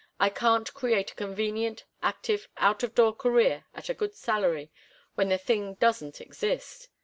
I can't create a convenient, active, out of door career at a good salary, when the thing doesn't exist.